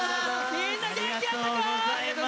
みんな元気やったか！